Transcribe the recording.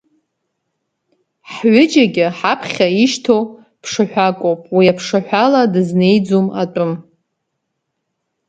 Ҳҩыџьагьы ҳаԥхьа ишьҭоу ԥшаҳәакоуп, уи аԥшаҳәала дызнеиӡом атәым.